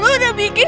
lu udah bikin